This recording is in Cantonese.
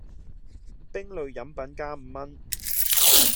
冰類飲品加五文